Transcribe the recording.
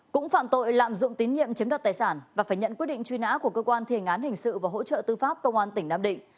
cũng phạm tội lạm dụng tín nhiệm chiếm đoạt tài sản và phải nhận quyết định truy nã của cơ quan thiền án hình sự và hỗ trợ tư pháp công an tỉnh nam định